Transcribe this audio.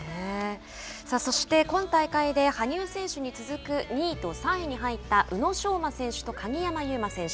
そして、今大会で羽生選手に続く２位と３位に入った宇野昌磨選手と鍵山優真選手。